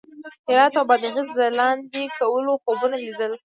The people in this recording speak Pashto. هرات او بادغیس د لاندې کولو خوبونه لیدل.